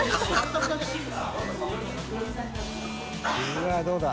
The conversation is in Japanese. うわどうだ？